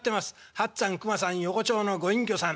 八っつぁん熊さん横町のご隠居さん。